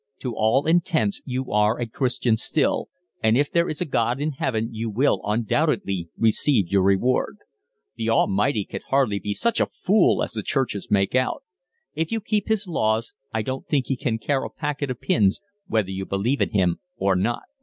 To all intents you are a Christian still, and if there is a God in Heaven you will undoubtedly receive your reward. The Almighty can hardly be such a fool as the churches make out. If you keep His laws I don't think He can care a packet of pins whether you believe in Him or not."